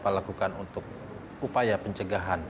apa yang akan dilakukan untuk upaya pencegahan